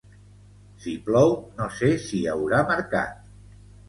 Si plou no sé si hi haurà mercat